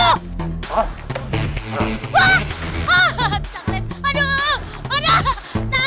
ada manusia serigala